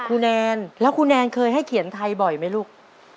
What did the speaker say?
แนนแล้วครูแนนเคยให้เขียนไทยบ่อยไหมลูก